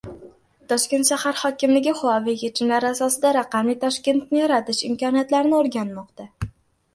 Toshkent shahar hokimligi Huawei yechimlari asosida «Raqamli Toshkent»ni yaratish imkoniyatlarini o‘rganmoqda